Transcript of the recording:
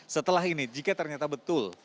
setelah ini jika ternyata betul